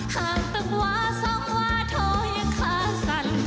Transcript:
ห่างตะวะสองวะโทยคาสัน